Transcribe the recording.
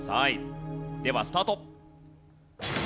ではスタート。